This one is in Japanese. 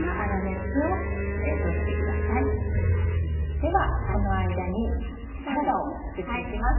ではその間にサラダを作って行きます。